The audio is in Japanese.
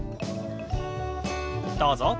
どうぞ。